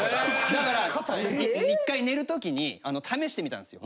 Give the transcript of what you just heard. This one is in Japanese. だから１回寝るときに試してみたんですよ。